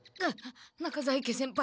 中在家先輩